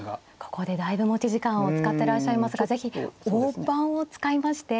ここでだいぶ持ち時間を使ってらっしゃいますが是非大盤を使いまして